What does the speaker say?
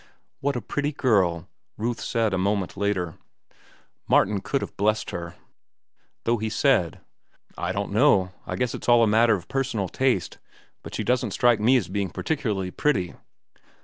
"What a pretty girl!" Ruth said a moment later. Martin could have blessed her, though he said: "I don't know. I guess it's all a matter of personal taste, but she doesn't strike me as being particularly pretty."